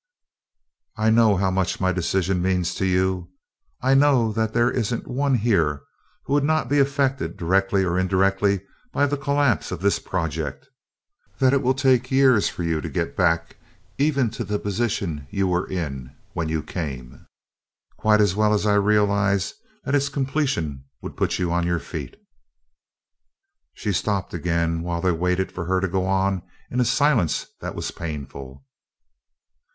"I know how much my decision means to you; I know that there isn't one here who would not be affected directly or indirectly by the collapse of this project; that it will take years for you to get back even to the position you were in when you came, quite as well as I realize that its completion would put you on your feet." She stopped again while they waited for her to go on in a silence that was painful.